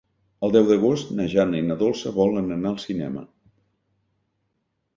El deu d'agost na Jana i na Dolça volen anar al cinema.